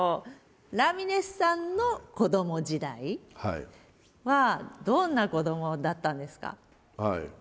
ラミレスさんの子ども時代はどんな子どもだったんですか？